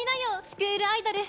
スクールアイドル。